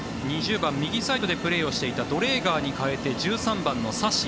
２０番、右サイドでプレーしていたドレーガーに代えて１３番のサシ。